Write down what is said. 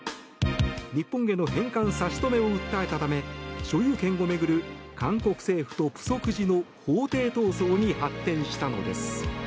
日本への返還差し止めを訴えたため、所有権を巡る韓国政府と浮石寺の法廷闘争に発展したのです。